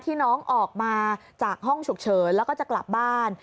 ที่น้องออกมาจากห้องฉุกเฉินแล้วก็จะกลับบ้าน